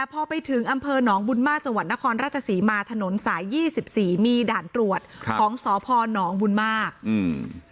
พอไปถึงอำเภอหนองบุญมากจังหวัดนครราชศรีมาถนนสายยี่สิบสี่มีด่านตรวจครับของสพนบุญมากอืม